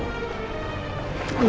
om rajma untuk tante